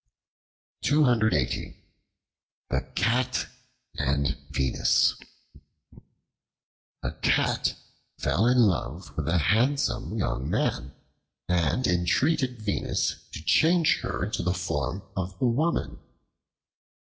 The Cat and Venus A CAT fell in love with a handsome young man, and entreated Venus to change her into the form of a woman.